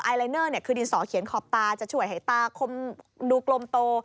ลายเนอร์คือดินสอเขียนขอบตาจะช่วยให้ตาคมดูกลมโต